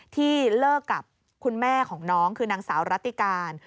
ที่เลิกกับคุณแม่ของน้องคือนางสาวรัติการ